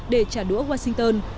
để trả đũa washington